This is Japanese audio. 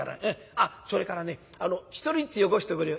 あっそれからね１人ずつよこしておくれよ。